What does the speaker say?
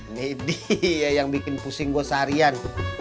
nih dia yang bikin pusing gua seharian